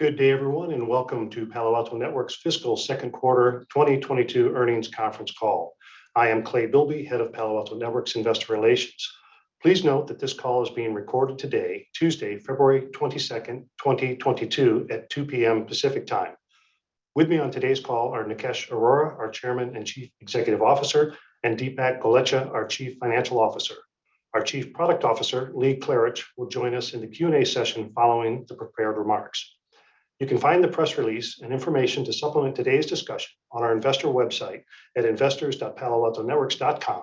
Good day everyone, and welcome to Palo Alto Networks' fiscal second quarter 2022 earnings conference call. I am Clay Bilby, Head of Palo Alto Networks Investor Relations. Please note that this call is being recorded today, Tuesday, February 22, 2022 at 2:00 P.M. Pacific Time. With me on today's call are Nikesh Arora, our Chairman and Chief Executive Officer, and Dipak Golechha, our Chief Financial Officer. Our Chief Product Officer, Lee Klarich, will join us in the Q&A session following the prepared remarks. You can find the press release and information to supplement today's discussion on our investor website at investors.paloaltonetworks.com.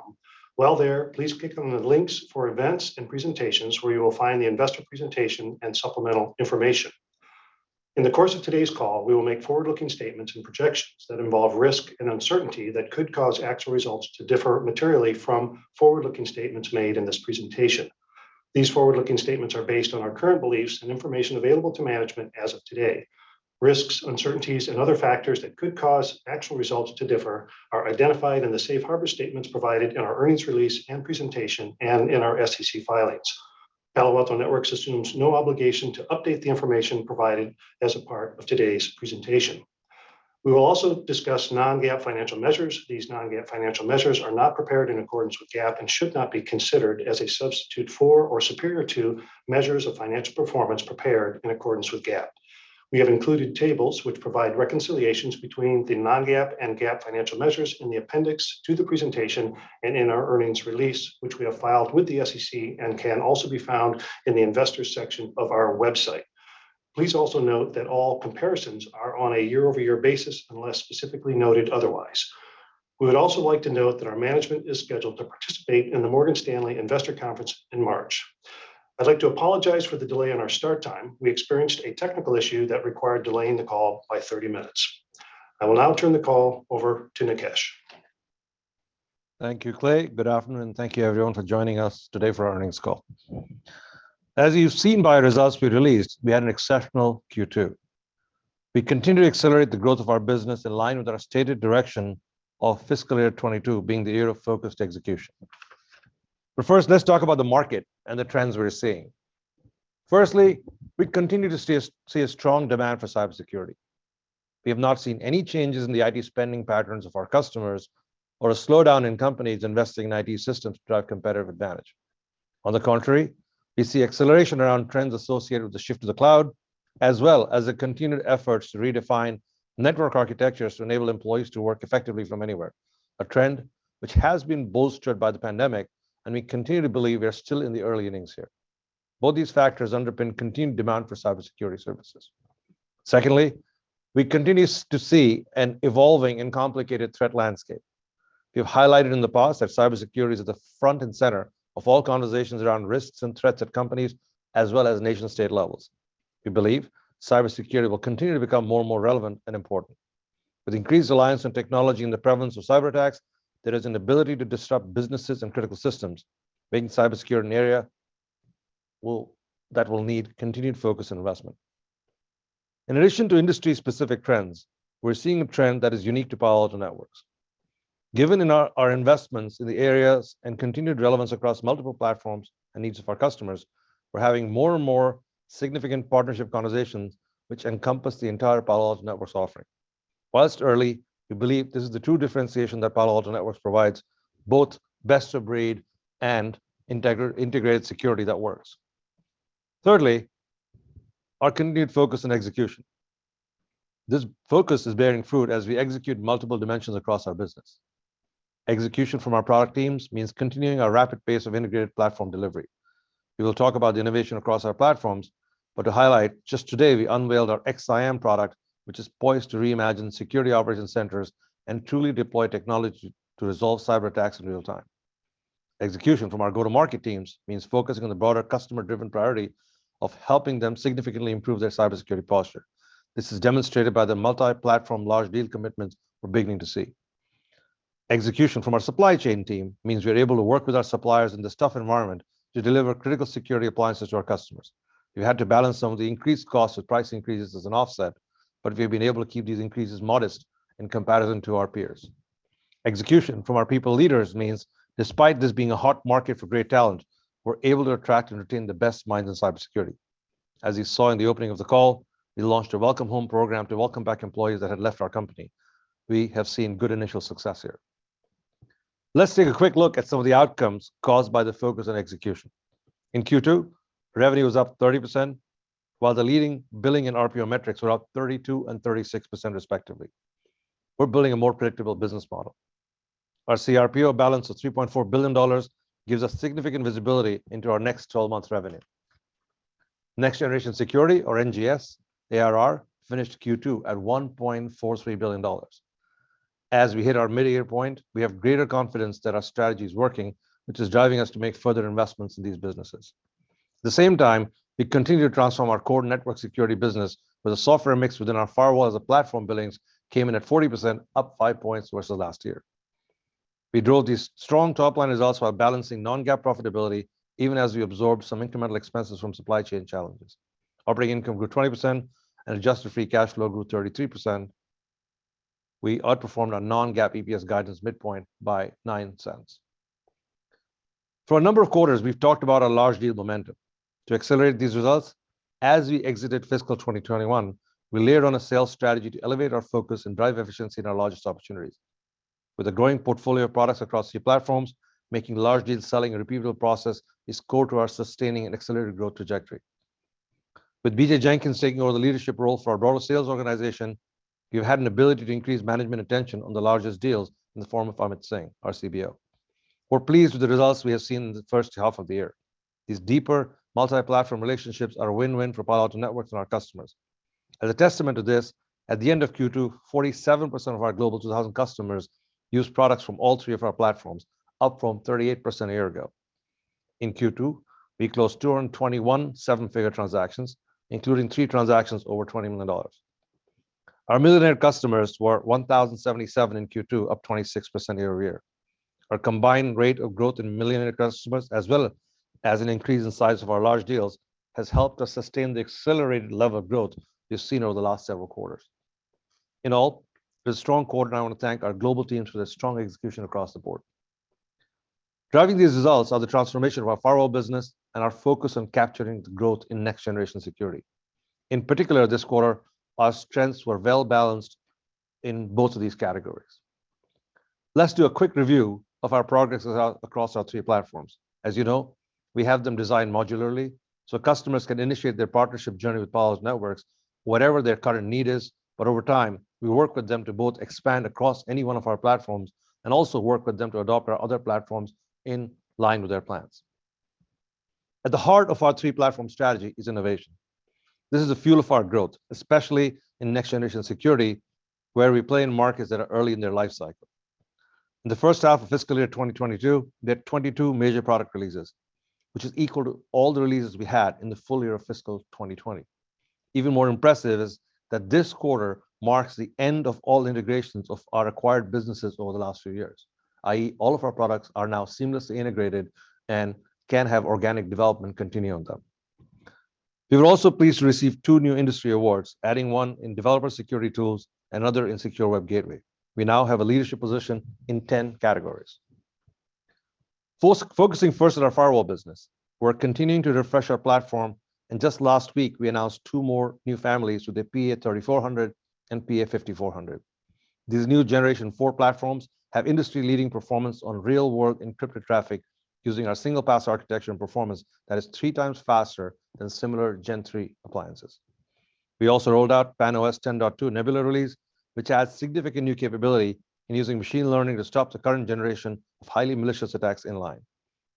While there, please click on the links for events and presentations where you will find the investor presentation and supplemental information. In the course of today's call, we will make forward-looking statements and projections that involve risk and uncertainty that could cause actual results to differ materially from forward-looking statements made in this presentation. These forward-looking statements are based on our current beliefs and information available to management as of today. Risks, uncertainties, and other factors that could cause actual results to differ are identified in the safe harbor statements provided in our earnings release and presentation and in our SEC filings. Palo Alto Networks assumes no obligation to update the information provided as a part of today's presentation. We will also discuss non-GAAP financial measures. These non-GAAP financial measures are not prepared in accordance with GAAP and should not be considered as a substitute for or superior to measures of financial performance prepared in accordance with GAAP. We have included tables which provide reconciliations between the non-GAAP and GAAP financial measures in the appendix to the presentation and in our earnings release, which we have filed with the SEC and can also be found in the investors section of our website. Please also note that all comparisons are on a year-over-year basis, unless specifically noted otherwise. We would also like to note that our management is scheduled to participate in the Morgan Stanley Investor Conference in March. I'd like to apologize for the delay in our start time. We experienced a technical issue that required delaying the call by 30 minutes. I will now turn the call over to Nikesh. Thank you, Clay. Good afternoon, and thank you everyone for joining us today for our earnings call. As you've seen by results we released, we had an exceptional Q2. We continue to accelerate the growth of our business in line with our stated direction of fiscal year 2022 being the year of focused execution. First, let's talk about the market and the trends we're seeing. Firstly, we continue to see a strong demand for cybersecurity. We have not seen any changes in the IT spending patterns of our customers or a slowdown in companies investing in IT systems to drive competitive advantage. On the contrary, we see acceleration around trends associated with the shift to the cloud, as well as the continued efforts to redefine network architectures to enable employees to work effectively from anywhere, a trend which has been bolstered by the pandemic, and we continue to believe we are still in the early innings here. Both these factors underpin continued demand for cybersecurity services. Secondly, we continue to see an evolving and complicated threat landscape. We have highlighted in the past that cybersecurity is at the front and center of all conversations around risks and threats at companies, as well as nation-state levels. We believe cybersecurity will continue to become more and more relevant and important. With increased reliance on technology and the prevalence of cyberattacks, there is an ability to disrupt businesses and critical systems, making cybersecurity an area that will need continued focus and investment. In addition to industry-specific trends, we're seeing a trend that is unique to Palo Alto Networks. Given our investments in the areas and continued relevance across multiple platforms and needs of our customers, we're having more and more significant partnership conversations which encompass the entire Palo Alto Networks offering. While early, we believe this is the true differentiation that Palo Alto Networks provides, both best of breed and integrated security that works. Thirdly, our continued focus on execution. This focus is bearing fruit as we execute multiple dimensions across our business. Execution from our product teams means continuing our rapid pace of integrated platform delivery. We will talk about the innovation across our platforms, but to highlight, just today we unveiled our XSIAM product, which is poised to reimagine security operations centers and truly deploy technology to resolve cyberattacks in real time. Execution from our go-to-market teams means focusing on the broader customer-driven priority of helping them significantly improve their cybersecurity posture. This is demonstrated by the multi-platform large deal commitments we're beginning to see. Execution from our supply chain team means we are able to work with our suppliers in this tough environment to deliver critical security appliances to our customers. We had to balance some of the increased costs with price increases as an offset, but we've been able to keep these increases modest in comparison to our peers. Execution from our people leaders means despite this being a hot market for great talent, we're able to attract and retain the best minds in cybersecurity. As you saw in the opening of the call, we launched a Welcome Home program to welcome back employees that had left our company. We have seen good initial success here. Let's take a quick look at some of the outcomes caused by the focus on execution. In Q2, revenue was up 30%, while the leading billing and RPO metrics were up 32% and 36% respectively. We're building a more predictable business model. Our CRPO balance of $3.4 billion gives us significant visibility into our next 12 months revenue. Next-generation security, or NGS ARR, finished Q2 at $1.43 billion. As we hit our mid-year point, we have greater confidence that our strategy is working, which is driving us to make further investments in these businesses. At the same time, we continue to transform our core network security business with a software mix within our firewall as a platform billings came in at 40%, up five points versus last year. We drove these strong top line results while balancing non-GAAP profitability, even as we absorbed some incremental expenses from supply chain challenges. Operating income grew 20% and adjusted free cash flow grew 33%. We outperformed our non-GAAP EPS guidance midpoint by $0.09. For a number of quarters, we've talked about a large deal momentum to accelerate these results. As we exited fiscal 2021, we layered on a sales strategy to elevate our focus and drive efficiency in our largest opportunities. With a growing portfolio of products across three platforms, making large deals selling a repeatable process is core to our sustaining an accelerated growth trajectory. With BJ Jenkins taking over the leadership role for our global sales organization, we've had an ability to increase management attention on the largest deals in the form of Amit Singh, our CBO. We're pleased with the results we have seen in the first half of the year. These deeper multi-platform relationships are a win-win for Palo Alto Networks and our customers. As a testament to this, at the end of Q2, 47% of our global 2,000 customers used products from all three of our platforms, up from 38% a year ago. In Q2, we closed 221 seven-figure transactions, including three transactions over $20 million. Our millionaire customers were 1,077 in Q2, up 26% year-over-year. Our combined rate of growth in millionaire customers, as well as an increase in size of our large deals, has helped us sustain the accelerated level of growth you've seen over the last several quarters. In all, it was a strong quarter, and I want to thank our global teams for their strong execution across the board. Driving these results are the transformation of our firewall business and our focus on capturing the growth in next-generation security. In particular, this quarter, our strengths were well-balanced in both of these categories. Let's do a quick review of our progress across our three platforms. As you know, we have them designed modularly, so customers can initiate their partnership journey with Palo Alto Networks whatever their current need is. Over time, we work with them to both expand across any one of our platforms and also work with them to adopt our other platforms in line with their plans. At the heart of our three platform strategy is innovation. This is the fuel of our growth, especially in next-generation security, where we play in markets that are early in their life cycle. In the first half of fiscal year 2022, we had 22 major product releases, which is equal to all the releases we had in the full year of fiscal 2020. Even more impressive is that this quarter marks the end of all integrations of our acquired businesses over the last few years, i.e., all of our products are now seamlessly integrated and can have organic development continue on them. We were also pleased to receive two new industry awards, adding one in developer security tools, another in secure web gateway. We now have a leadership position in 10 categories. First, focusing on our firewall business. We're continuing to refresh our platform, and just last week, we announced two more new families with the PA-3400 and PA-5400. These new Generation four platforms have industry-leading performance on real-world encrypted traffic using our Single-Pass Architecture and performance that is three times faster than similar Gen3 appliances. We also rolled out PAN-OS 10.2 Nebula release, which adds significant new capability in using machine learning to stop the current generation of highly malicious attacks in line.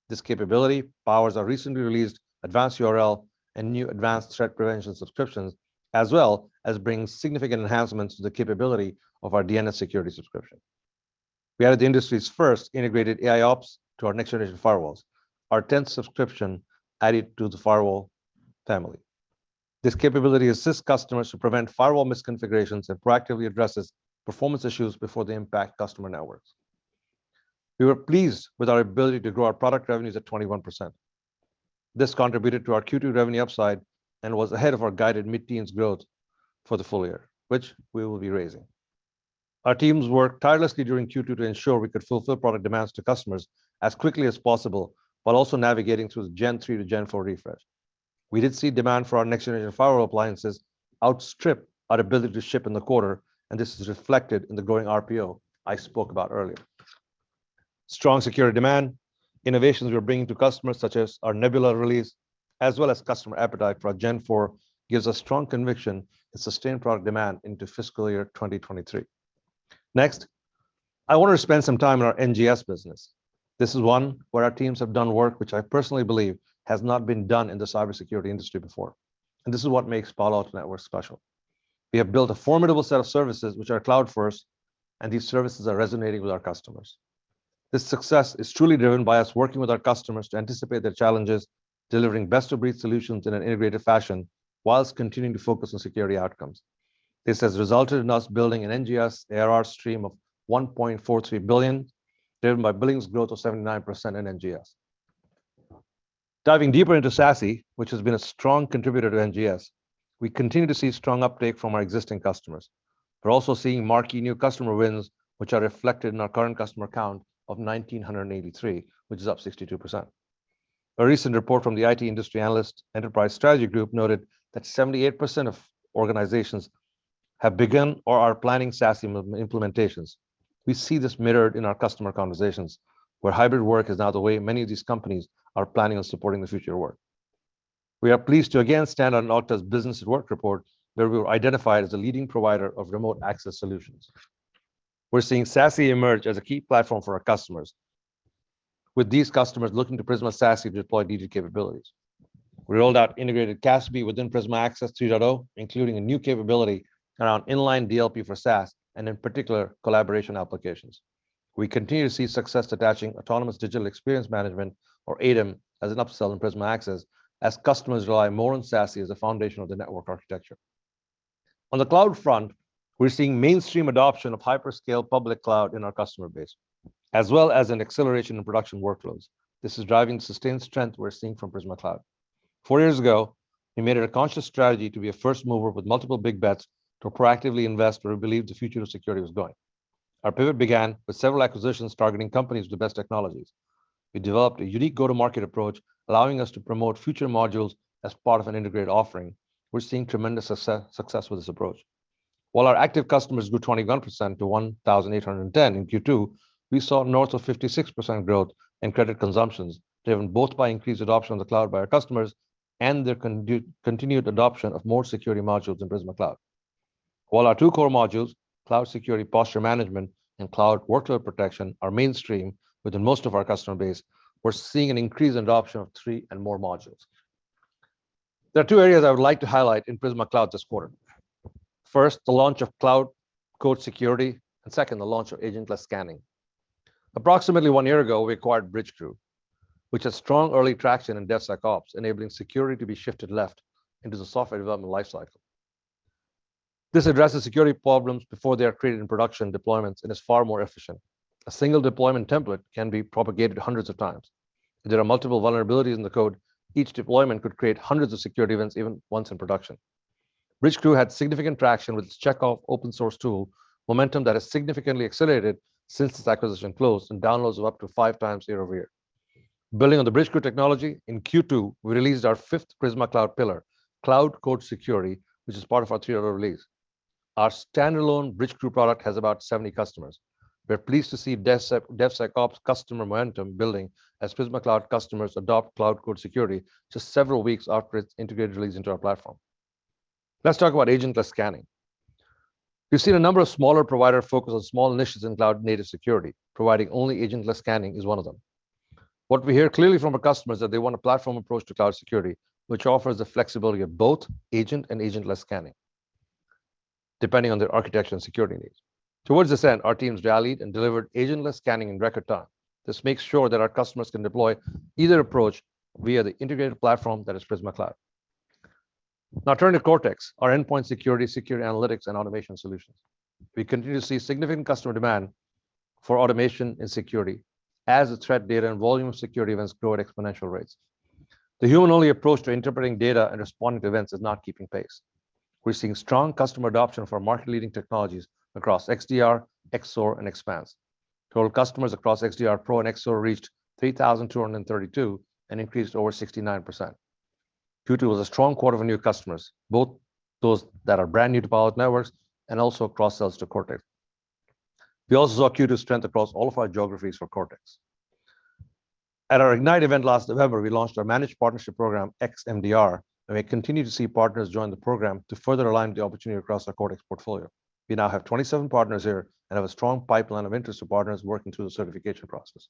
This capability powers our recently released Advanced URL and new Advanced Threat Prevention subscriptions, as well as brings significant enhancements to the capability of our DNS Security subscription. We added the industry's first integrated AIOps to our next-generation firewalls, our tenth subscription added to the firewall family. This capability assists customers to prevent firewall misconfigurations and proactively addresses performance issues before they impact customer networks. We were pleased with our ability to grow our product revenues at 21%. This contributed to our Q2 revenue upside and was ahead of our guided mid-teens growth for the full year, which we will be raising. Our teams worked tirelessly during Q2 to ensure we could fulfill product demands to customers as quickly as possible while also navigating through the Gen3 to Generation four refresh. We did see demand for our next-generation firewall appliances outstrip our ability to ship in the quarter, and this is reflected in the growing RPO I spoke about earlier. Strong security demand, innovations we are bringing to customers such as our Nebula release, as well as customer appetite for our Generation four, gives us strong conviction in sustained product demand into fiscal year 2023. Next, I want to spend some time on our NGS business. This is one where our teams have done work which I personally believe has not been done in the cybersecurity industry before, and this is what makes Palo Alto Networks special. We have built a formidable set of services which are cloud first, and these services are resonating with our customers. This success is truly driven by us working with our customers to anticipate their challenges, delivering best-of-breed solutions in an integrated fashion while continuing to focus on security outcomes. This has resulted in us building an NGS ARR stream of $1.43 billion, driven by billings growth of 79% in NGS. Diving deeper into SASE, which has been a strong contributor to NGS, we continue to see strong uptake from our existing customers. We're also seeing marquee new customer wins, which are reflected in our current customer count of 1,983, which is up 62%. A recent report from the IT industry analyst Enterprise Strategy Group noted that 78% of organizations have begun or are planning SASE implementations. We see this mirrored in our customer conversations, where hybrid work is now the way many of these companies are planning on supporting the future of work. We are pleased to again stand out in Okta's Businesses at Work report, where we were identified as a leading provider of remote access solutions. We're seeing SASE emerge as a key platform for our customers, with these customers looking to Prisma SASE to deploy needed capabilities. We rolled out integrated CASB within Prisma Access 3.0, including a new capability around inline DLP for SaaS and in particular, collaboration applications. We continue to see success attaching autonomous digital experience management, or ADEM, as an upsell in Prisma Access as customers rely more on SASE as a foundation of the network architecture. On the cloud front, we're seeing mainstream adoption of hyperscale public cloud in our customer base, as well as an acceleration in production workloads. This is driving sustained strength we're seeing from Prisma Cloud. Four years ago, we made it a conscious strategy to be a first mover with multiple big bets to proactively invest where we believe the future of security was going. Our pivot began with several acquisitions targeting companies with the best technologies. We developed a unique go-to-market approach, allowing us to promote future modules as part of an integrated offering. We're seeing tremendous success with this approach. While our active customers grew 21% to 1,810 in Q2, we saw north of 56% growth in credit consumptions, driven both by increased adoption of the cloud by our customers and their continued adoption of more security modules in Prisma Cloud. While our two core modules, Cloud Security Posture Management and Cloud Workload Protection, are mainstream within most of our customer base, we're seeing an increase in adoption of three and more modules. There are two areas I would like to highlight in Prisma Cloud this quarter. First, the launch of Cloud Code Security, and second, the launch of agentless scanning. Approximately one year ago, we acquired Bridgecrew, which has strong early traction in DevSecOps, enabling security to be shifted left into the software development life cycle. This addresses security problems before they are created in production deployments and is far more efficient. A single deployment template can be propagated hundreds of times. If there are multiple vulnerabilities in the code, each deployment could create hundreds of security events even once in production. Bridgecrew had significant traction with its Checkov open source tool, momentum that has significantly accelerated since this acquisition closed, and downloads were up to five times year over year. Building on the Bridgecrew technology, in Q2, we released our fifth Prisma Cloud pillar, Cloud Code Security, which is part of our tier release. Our standalone Bridgecrew product has about 70 customers. We're pleased to see DevSecOps customer momentum building as Prisma Cloud customers adopt Cloud Code Security just several weeks after its integrated release into our platform. Let's talk about agentless scanning. We've seen a number of smaller providers focus on small niches in cloud-native security. Providing only agentless scanning is one of them. What we hear clearly from our customers that they want a platform approach to cloud security, which offers the flexibility of both agent and agentless scanning, depending on their architecture and security needs. Towards this end, our teams rallied and delivered agentless scanning in record time. This makes sure that our customers can deploy either approach via the integrated platform that is Prisma Cloud. Now turning to Cortex, our endpoint security analytics, and automation solutions. We continue to see significant customer demand for automation and security as the threat data and volume of security events grow at exponential rates. The human-only approach to interpreting data and responding to events is not keeping pace. We're seeing strong customer adoption for market-leading technologies across XDR, XSOAR, and Xpanse. Total customers across XDR Pro and XSOAR reached 3,232 and increased over 69%. Q2 was a strong quarter for new customers, both those that are brand new to Palo Alto Networks and also cross-sells to Cortex. We also saw Q2 strength across all of our geographies for Cortex. At our Ignite event last November, we launched our managed partnership program, XMDR, and we continue to see partners join the program to further align the opportunity across our Cortex portfolio. We now have 27 partners here and have a strong pipeline of interested partners working through the certification process.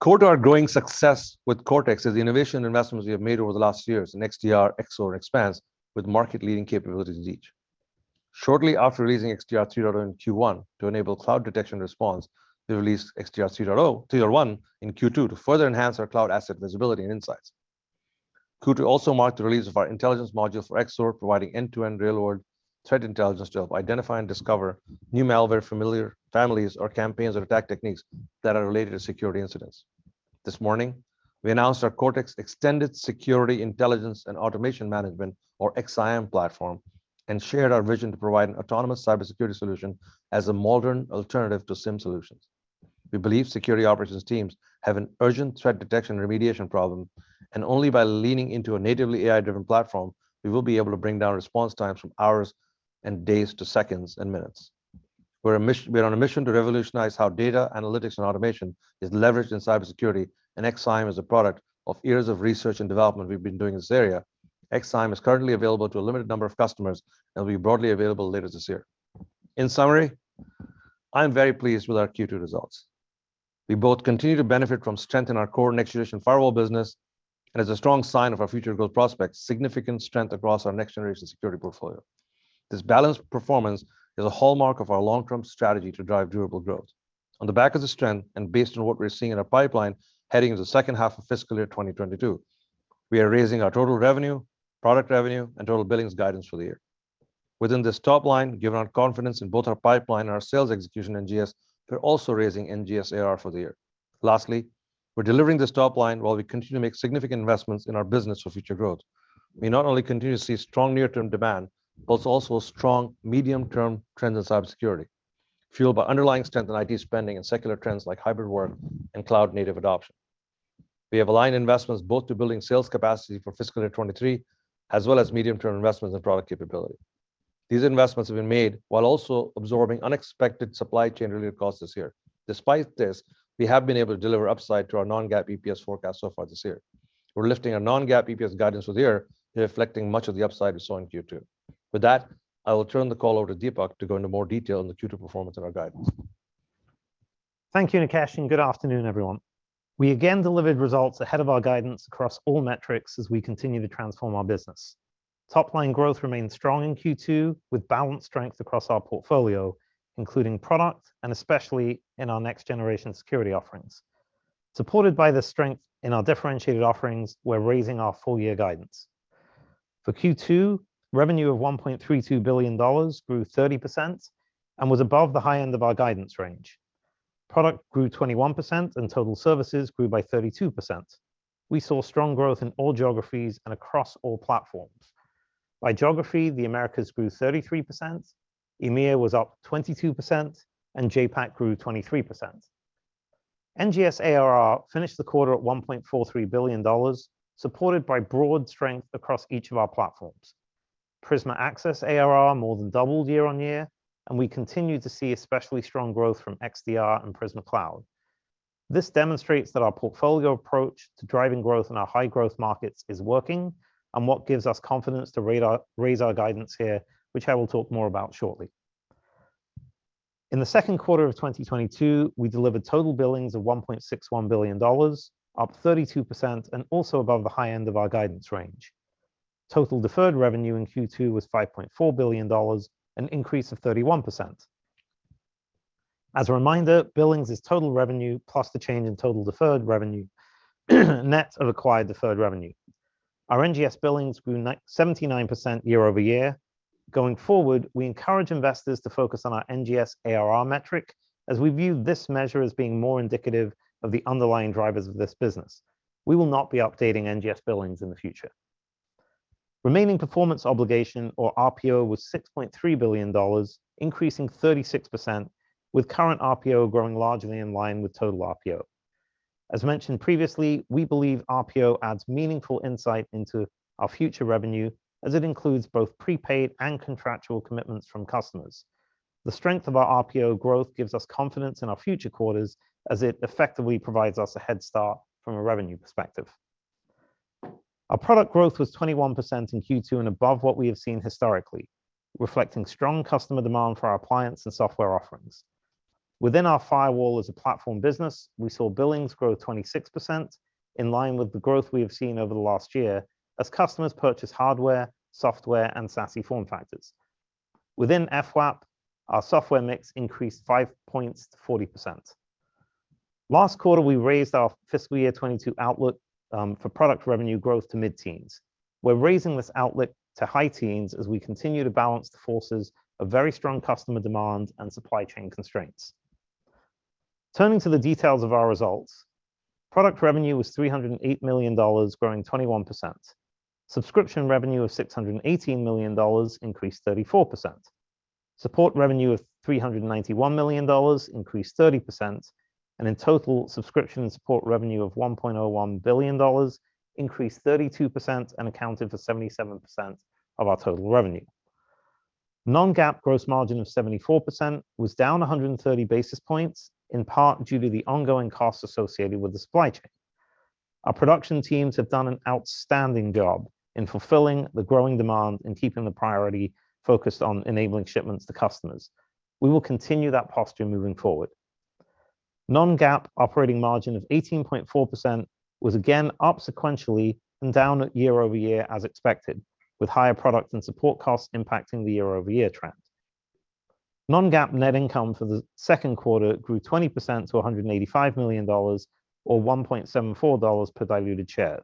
Core to our growing success with Cortex is the innovation investments we have made over the last years in XDR, XSOAR, and Xpanse, with market-leading capabilities in each. Shortly after releasing XDR 3.0 in Q1 to enable cloud detection response, we released XDR 3.1 in Q2 to further enhance our cloud asset visibility and insights. Q2 also marked the release of our intelligence module for XSOAR, providing end-to-end real-world threat intelligence to help identify and discover new malware, familiar families or campaigns or attack techniques that are related to security incidents. This morning, we announced our Cortex Extended Security Intelligence and Automation Management, or XSIAM platform, and shared our vision to provide an autonomous cybersecurity solution as a modern alternative to SIEM solutions. We believe security operations teams have an urgent threat detection remediation problem, and only by leaning into a natively AI-driven platform, we will be able to bring down response times from hours and days to seconds and minutes. We are on a mission to revolutionize how data analytics and automation is leveraged in cybersecurity, and XSIAM is a product of years of research and development we've been doing in this area. XSIAM is currently available to a limited number of customers and will be broadly available later this year. In summary, I am very pleased with our Q2 results. We continue to benefit from strength in our core next-generation firewall business, and as a strong sign of our future growth prospects, significant strength across our next-generation security portfolio. This balanced performance is a hallmark of our long-term strategy to drive durable growth. On the back of this trend, and based on what we're seeing in our pipeline heading into the second half of fiscal year 2022, we are raising our total revenue, product revenue, and total billings guidance for the year. Within this top line, given our confidence in both our pipeline and our sales execution in NGS, we're also raising NGS ARR for the year. Lastly, we're delivering this top line while we continue to make significant investments in our business for future growth. We not only continue to see strong near-term demand, but also strong medium-term trends in cybersecurity, fueled by underlying strength in IT spending and secular trends like hybrid work and cloud native adoption. We have aligned investments both to building sales capacity for fiscal year 2023, as well as medium-term investments in product capability. These investments have been made while also absorbing unexpected supply chain-related costs this year. Despite this, we have been able to deliver upside to our non-GAAP EPS forecast so far this year. We're lifting our non-GAAP EPS guidance for the year, reflecting much of the upside we saw in Q2. With that, I will turn the call over to Dipak to go into more detail on the Q2 performance and our guidance. Thank you, Nikesh, and good afternoon, everyone. We again delivered results ahead of our guidance across all metrics as we continue to transform our business. Top-line growth remained strong in Q2 with balanced strength across our portfolio, including product and especially in our next-generation security offerings. Supported by the strength in our differentiated offerings, we're raising our full year guidance. For Q2, revenue of $1.32 billion grew 30% and was above the high end of our guidance range. Product grew 21% and total services grew by 32%. We saw strong growth in all geographies and across all platforms. By geography, the Americas grew 33%, EMEA was up 22%, and JAPAC grew 23%. NGS ARR finished the quarter at $1.43 billion, supported by broad strength across each of our platforms. Prisma Access ARR more than doubled year-over-year, and we continue to see especially strong growth from XDR and Prisma Cloud. This demonstrates that our portfolio approach to driving growth in our high-growth markets is working and what gives us confidence to raise our guidance here, which I will talk more about shortly. In the second quarter of 2022, we delivered total billings of $1.61 billion, up 32% and also above the high end of our guidance range. Total deferred revenue in Q2 was $5.4 billion, an increase of 31%. As a reminder, billings is total revenue plus the change in total deferred revenue, net of acquired deferred revenue. Our NGS billings grew 79% year-over-year. Going forward, we encourage investors to focus on our NGS ARR metric as we view this measure as being more indicative of the underlying drivers of this business. We will not be updating NGS billings in the future. Remaining performance obligation or RPO was $6.3 billion, increasing 36% with current RPO growing largely in line with total RPO. As mentioned previously, we believe RPO adds meaningful insight into our future revenue as it includes both prepaid and contractual commitments from customers. The strength of our RPO growth gives us confidence in our future quarters as it effectively provides us a head start from a revenue perspective. Our product growth was 21% in Q2 and above what we have seen historically, reflecting strong customer demand for our appliance and software offerings. Within our firewall as a platform business, we saw billings grow 26% in line with the growth we have seen over the last year as customers purchase hardware, software, and SASE form factors. Within FWAP, our software mix increased five points to 40%. Last quarter, we raised our fiscal year 2022 outlook for product revenue growth to mid-teens. We're raising this outlook to high teens as we continue to balance the forces of very strong customer demand and supply chain constraints. Turning to the details of our results. Product revenue was $308 million, growing 21%. Subscription revenue of $618 million increased 34%. Support revenue of $391 million increased 30%, and in total, subscription and support revenue of $1.01 billion increased 32% and accounted for 77% of our total revenue. Non-GAAP gross margin of 74% was down 130 basis points, in part due to the ongoing costs associated with the supply chain. Our production teams have done an outstanding job in fulfilling the growing demand and keeping the priority focused on enabling shipments to customers. We will continue that posture moving forward. Non-GAAP operating margin of 18.4% was again up sequentially and down year-over-year as expected, with higher product and support costs impacting the year-over-year trend. Non-GAAP net income for the second quarter grew 20% to $185 million or $1.74 per diluted share.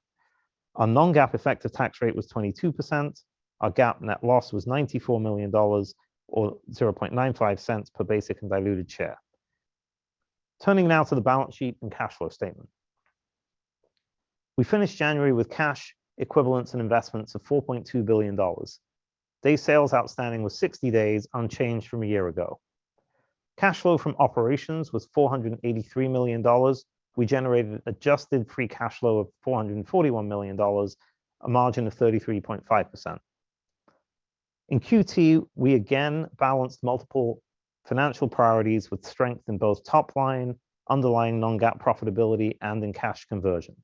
Our non-GAAP effective tax rate was 22%. Our GAAP net loss was $94 million or $0.95 per basic and diluted share. Turning now to the balance sheet and cash flow statement. We finished January with cash equivalents and investments of $4.2 billion. Day sales outstanding was 60 days unchanged from a year ago. Cash flow from operations was $483 million. We generated adjusted free cash flow of $441 million, a margin of 33.5%. In Q2, we again balanced multiple financial priorities with strength in both top line, underlying non-GAAP profitability, and in cash conversion.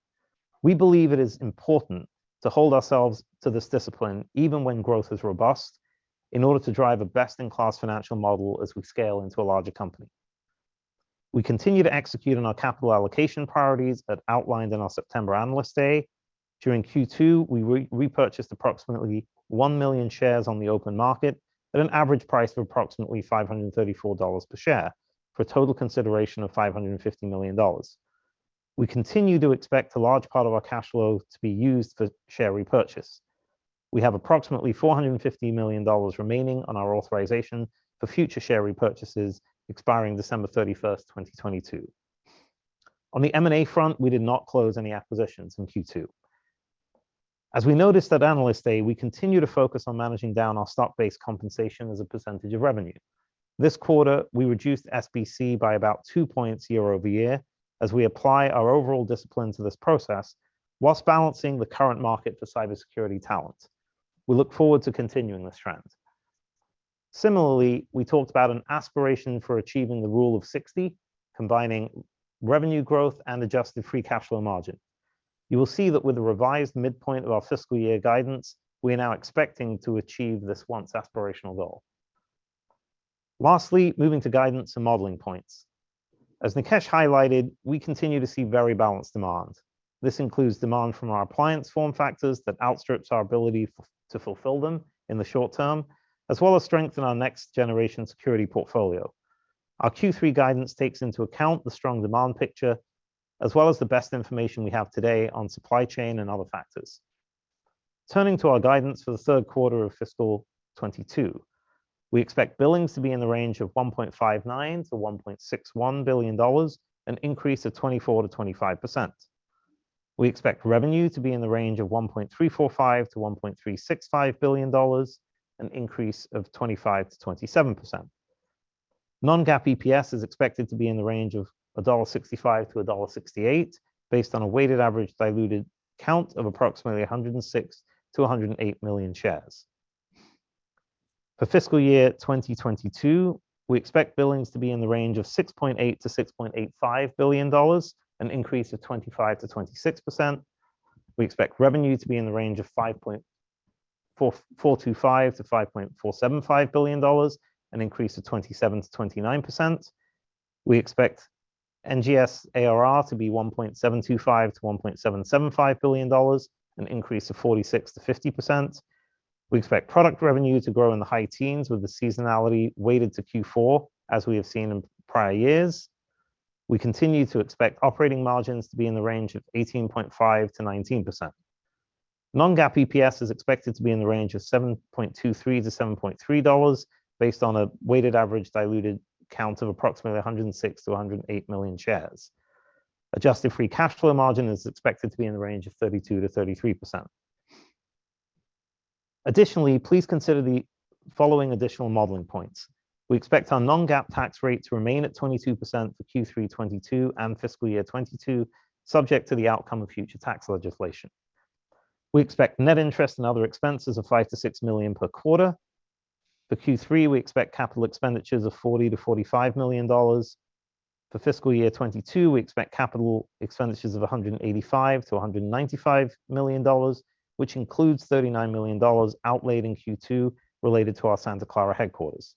We believe it is important to hold ourselves to this discipline even when growth is robust in order to drive a best-in-class financial model as we scale into a larger company. We continue to execute on our capital allocation priorities as outlined in our September Analyst Day. During Q2, we repurchased approximately 1 million shares on the open market at an average price of approximately $534 per share for a total consideration of $550 million. We continue to expect a large part of our cash flow to be used for share repurchase. We have approximately $450 million remaining on our authorization for future share repurchases expiring December 31st, 2022. On the M&A front, we did not close any acquisitions in Q2. As we noticed at Analyst Day, we continue to focus on managing down our stock-based compensation as a percentage of revenue. This quarter, we reduced SBC by about two points year over year as we apply our overall discipline to this process while balancing the current market for cybersecurity talent. We look forward to continuing this trend. Similarly, we talked about an aspiration for achieving the Rule of 60, combining revenue growth and adjusted free cash flow margin. You will see that with the revised midpoint of our fiscal year guidance, we are now expecting to achieve this once aspirational goal. Lastly, moving to guidance and modeling points. As Nikesh highlighted, we continue to see very balanced demand. This includes demand from our appliance form factors that outstrips our ability to fulfill them in the short term, as well as strength in our next generation security portfolio. Our Q3 guidance takes into account the strong demand picture as well as the best information we have today on supply chain and other factors. Turning to our guidance for the third quarter of FY 2022, we expect billings to be in the range of $1.59 billion-$1.61 billion, an increase of 24%-25%. We expect revenue to be in the range of $1.345 billion-$1.365 billion, an increase of 25%-27%. non-GAAP EPS is expected to be in the range of $1.65-$1.68, based on a weighted average diluted count of approximately 106 million-108 million shares. For FY 2022, we expect billings to be in the range of $6.8 billion-$6.85 billion, an increase of 25%-26%. We expect revenue to be in the range of $5.4425 billion-$5.475 billion, an increase of 27%-29%. We expect NGS ARR to be $1.725 billion-$1.775 billion, an increase of 46%-50%. We expect product revenue to grow in the high teens with the seasonality weighted to Q4, as we have seen in prior years. We continue to expect operating margins to be in the range of 18.5%-19%. Non-GAAP EPS is expected to be in the range of $7.23-$7.3 based on a weighted average diluted count of approximately 106-108 million shares. Adjusted free cash flow margin is expected to be in the range of 32%-33%. Additionally, please consider the following additional modeling points. We expect our non-GAAP tax rate to remain at 22% for Q3 2022 and fiscal year 2022, subject to the outcome of future tax legislation. We expect net interest and other expenses of $5 million-$6 million per quarter. For Q3, we expect capital expenditures of $40 million-$45 million. For fiscal year 2022, we expect capital expenditures of $185 million-$195 million, which includes $39 million outlaid in Q2 related to our Santa Clara headquarters.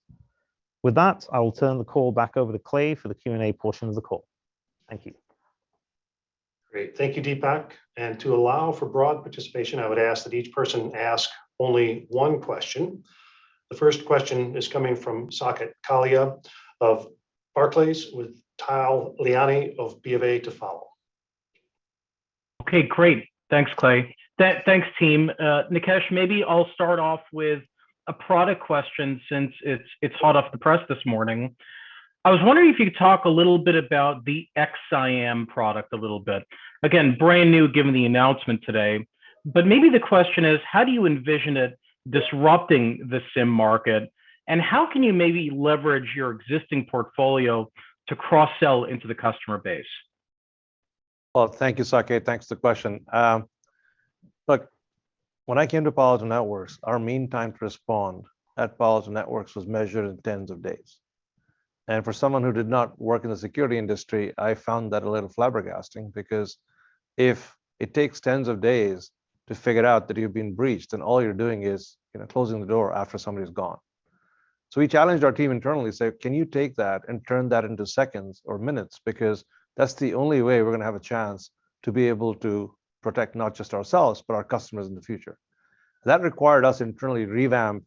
With that, I will turn the call back over to Clay for the Q&A portion of the call. Thank you. Great. Thank you, Dipak. To allow for broad participation, I would ask that each person ask only one question. The first question is coming from Saket Kalia of Barclays, with Tal Liani of B of A to follow. Okay, great. Thanks, Clay. Thanks, team. Nikesh, maybe I'll start off with a product question since it's hot off the press this morning. I was wondering if you could talk a little bit about the XSIAM product a little bit. Again, brand new given the announcement today, but maybe the question is, how do you envision it disrupting the SIEM market? How can you maybe leverage your existing portfolio to cross-sell into the customer base? Well, thank you, Saket. Thanks for the question. Look, when I came to Palo Alto Networks, our mean time to respond at Palo Alto Networks was measured in tens of days. For someone who did not work in the security industry, I found that a little flabbergasting, because if it takes tens of days to figure out that you've been breached, and all you're doing is, you know, closing the door after somebody's gone. We challenged our team internally, said, "Can you take that and turn that into seconds or minutes? Because that's the only way we're gonna have a chance to be able to protect not just ourselves, but our customers in the future." That required us internally revamp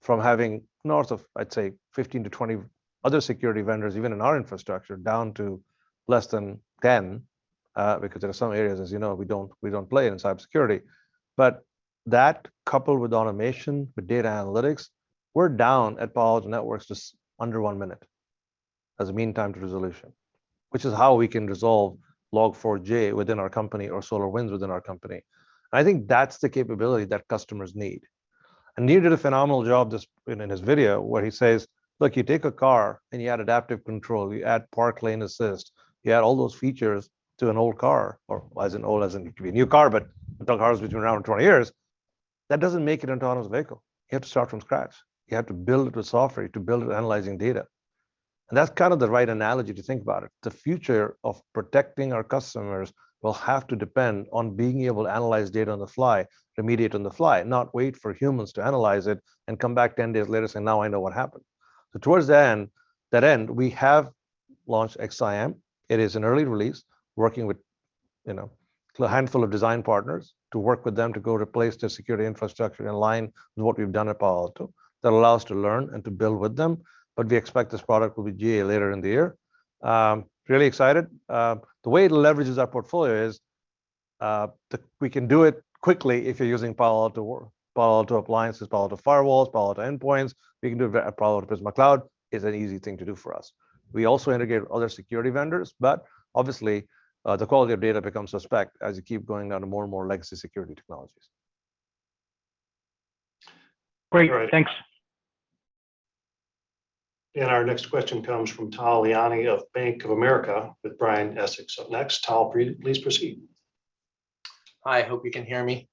from having north of, I'd say, 15 to 20 other security vendors, even in our infrastructure, down to less than 10, because there are some areas, as you know, we don't play in cybersecurity. That coupled with automation, with data analytics, we're down at Palo Alto Networks just under one minute as a mean time to resolution, which is how we can resolve Log4j within our company or SolarWinds within our company. I think that's the capability that customers need. Neil did a phenomenal job just, you know, in his video where he says, "Look, you take a car and you add adaptive control, you add park lane assist, you add all those features to an old car," or as an old, as in it could be a new car, but the cars we've been around 20 years, that doesn't make it an autonomous vehicle. You have to start from scratch. You have to build the software to build analyzing data. That's kind of the right analogy to think about it. The future of protecting our customers will have to depend on being able to analyze data on the fly, remediate on the fly, not wait for humans to analyze it and come back 10 days later and say, "Now I know what happened." Towards that end, we have launched XSIAM. It is an early release, working with, you know, a handful of design partners to work with them to go replace the security infrastructure in line with what we've done at Palo Alto that allows to learn and to build with them. We expect this product will be GA later in the year. Really excited. The way it leverages our portfolio is, we can do it quickly if you're using Palo Alto or Palo Alto Appliances, Palo Alto Firewalls, Palo Alto Endpoints. We can do a Palo Alto Prisma Cloud. It's an easy thing to do for us. We also integrate with other security vendors, but obviously, the quality of data becomes suspect as you keep going on to more and more legacy security technologies. Great. Thanks. Our next question comes from Tal Liani of Bank of America, with Brian Essex up next. Tal, please proceed. Hi, hope you can hear me.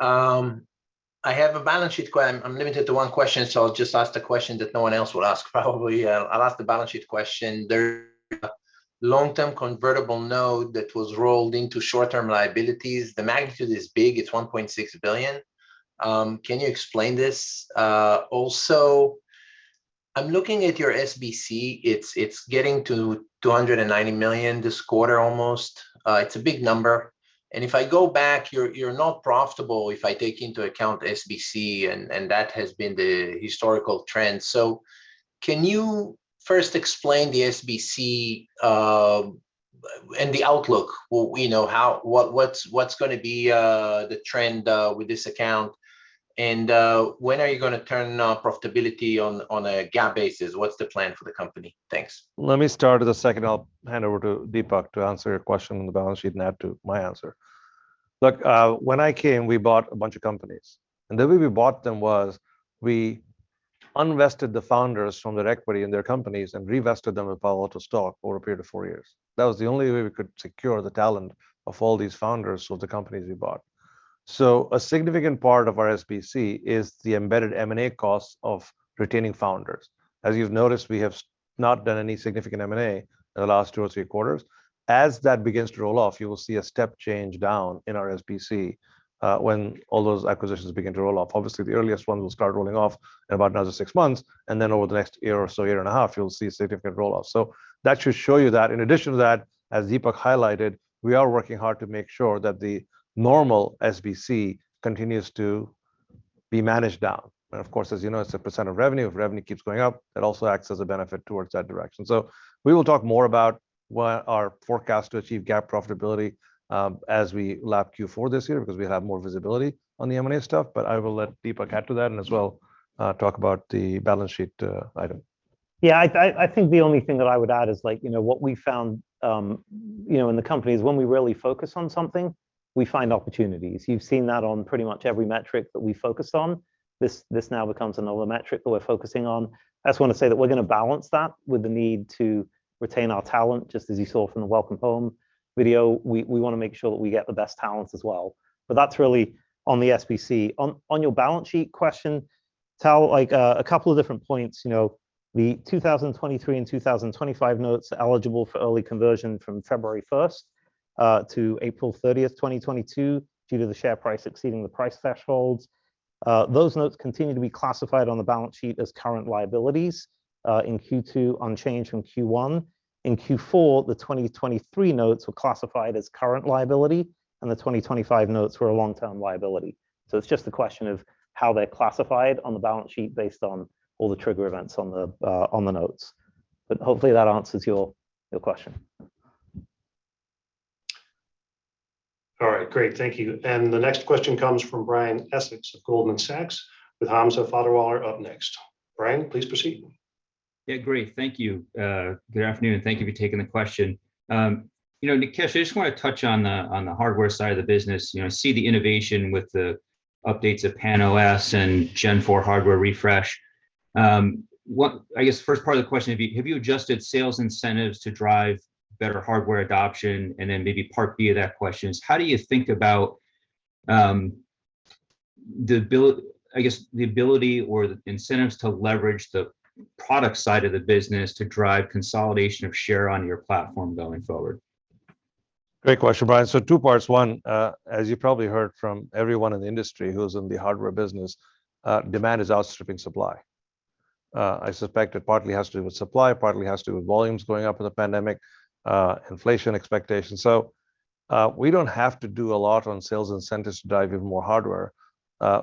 I have a balance sheet question. I'm limited to one question, so I'll just ask the question that no one else will ask probably. I'll ask the balance sheet question. There's a long-term convertible note that was rolled into short-term liabilities. The magnitude is big. It's $1.6 billion. Can you explain this? Also, I'm looking at your SBC. It's getting to $290 million this quarter almost. It's a big number. And if I go back, you're not profitable if I take into account SBC, and that has been the historical trend. Can you first explain the SBC, per- The outlook, will we know what's gonna be the trend with this account and when are you gonna turn profitable on a GAAP basis? What's the plan for the company? Thanks. Let me start with the second. I'll hand over to Dipak to answer your question on the balance sheet and add to my answer. Look, when I came, we bought a bunch of companies, and the way we bought them was we unvested the founders from their equity in their companies and revested them with Palo Alto stock over a period of four years. That was the only way we could secure the talent of all these founders of the companies we bought. A significant part of our SBC is the embedded M&A cost of retaining founders. As you've noticed, we have not done any significant M&A in the last two or three quarters. As that begins to roll off, you will see a step change down in our SBC, when all those acquisitions begin to roll off. Obviously, the earliest ones will start rolling off in about another six months, and then over the next year or so, year and a half, you'll see a significant roll-off. That should show you that. In addition to that, as Dipak highlighted, we are working hard to make sure that the normal SBC continues to be managed down. Of course, as you know, it's a percent of revenue. If revenue keeps going up, it also acts as a benefit towards that direction. We will talk more about what our forecast to achieve GAAP profitability, as we lap Q4 this year because we have more visibility on the M&A stuff. I will let Dipak add to that and as well, talk about the balance sheet, item. Yeah, I think the only thing that I would add is, like, you know what we found, you know, in the company is when we really focus on something, we find opportunities. You've seen that on pretty much every metric that we focus on. This now becomes another metric that we're focusing on. I just wanna say that we're gonna balance that with the need to retain our talent, just as you saw from the Welcome Home video. We wanna make sure that we get the best talents as well. That's really on the SBC. On your balance sheet question, Tal, like, a couple of different points. You know, the 2023 and 2025 notes are eligible for early conversion from February first to April thirtieth, 2022 due to the share price exceeding the price thresholds. Those notes continue to be classified on the balance sheet as current liabilities in Q2, unchanged from Q1. In Q4, the 2023 notes were classified as current liability, and the 2025 notes were a long-term liability. It's just a question of how they're classified on the balance sheet based on all the trigger events on the notes. Hopefully that answers your question. All right. Great. Thank you. The next question comes from Brian Essex of Goldman Sachs, with Hamza Fodderwala up next. Brian, please proceed. Good afternoon, and thank you for taking the question. You know, Nikesh, I just want to touch on the hardware side of the business. You know, see the innovation with the updates of PAN-OS and Gen4 hardware refresh. I guess the first part of the question, have you adjusted sales incentives to drive better hardware adoption? Then maybe part B of that question is how do you think about the ability or the incentives to leverage the product side of the business to drive consolidation of share on your platform going forward? Great question, Brian. Two parts. One, as you probably heard from everyone in the industry who's in the hardware business, demand is outstripping supply. I suspect it partly has to do with supply, partly has to do with volumes going up in the pandemic, inflation expectations. We don't have to do a lot on sales incentives to drive even more hardware.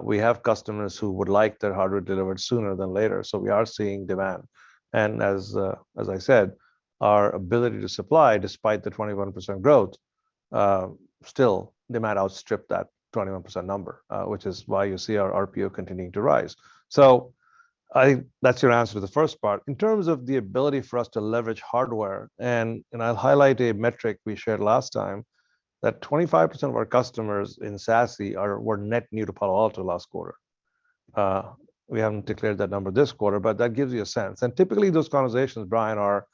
We have customers who would like their hardware delivered sooner than later, so we are seeing demand. As I said, our ability to supply, despite the 21% growth, still demand outstripped that 21% number, which is why you see our RPO continuing to rise. I think that's your answer to the first part. In terms of the ability for us to leverage hardware, I'll highlight a metric we shared last time, that 25% of our customers in SASE were net new to Palo Alto last quarter. We haven't declared that number this quarter, but that gives you a sense. Typically those conversations, Brian, are,